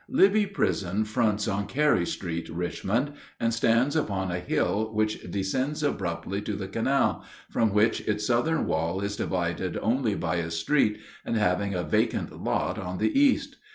] Libby Prison fronts on Carey street, Richmond, and stands upon a hill which descends abruptly to the canal, from which its southern wall is divided only by a street, and having a vacant lot on the east.